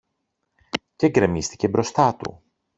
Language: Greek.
και γκρεμίστηκε μπροστά του.